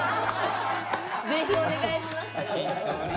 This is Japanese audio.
ぜひ願いします。